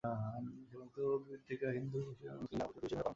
সীমান্ত পত্রিকা হিন্দু-মুসলিম দাঙ্গা প্রতিরোধে বিশেষ ভূমিকা পালন করেছিল।